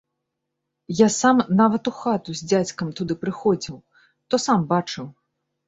Я сам нават у хату з дзядзькам туды прыходзіў, то сам бачыў.